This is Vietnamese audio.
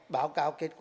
báo cáo kết quả